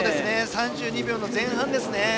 ３２秒の前半ですね。